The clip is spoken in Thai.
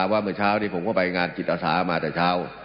เมื่อเช้านี้ผมก็ไปงานจิตอาสามาแต่เช้า